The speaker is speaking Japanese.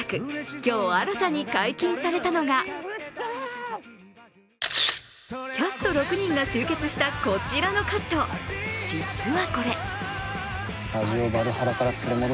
今日新たに解禁されたのがキャスト６人が集結したこちらのカット、実はこれ。